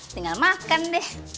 tinggal makan deh